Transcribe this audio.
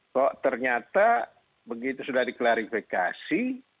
kok ternyata begitu sudah diklarifikasi